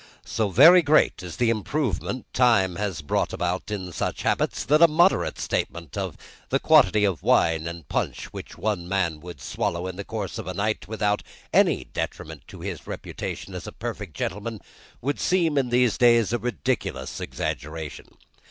So very great is the improvement Time has brought about in such habits, that a moderate statement of the quantity of wine and punch which one man would swallow in the course of a night, without any detriment to his reputation as a perfect gentleman, would seem, in these days, a ridiculous exaggeration.